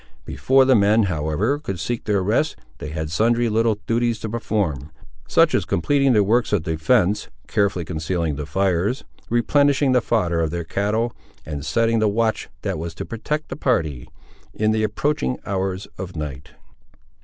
Before the men, however, could seek their rest, they had sundry little duties to perform; such as completing their works of defence, carefully concealing the fires, replenishing the fodder of their cattle, and setting the watch that was to protect the party, in the approaching hours of night.